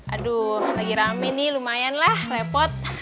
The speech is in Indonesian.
aduh lagi rame nih lumayan lah repot